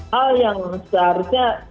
hal yang seharusnya